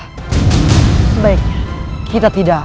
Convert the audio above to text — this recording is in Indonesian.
sebaiknya kita tidak